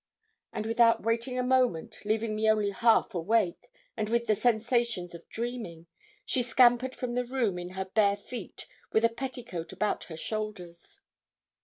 And without waiting a moment, leaving me only half awake, and with the sensations of dreaming, she scampered from the room, in her bare feet, with a petticoat about her shoulders.